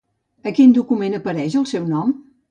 A quin document apareix el seu nom?